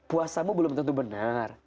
puasamu belum tentu benar